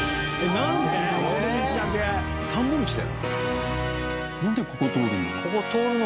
なんでここ通るの？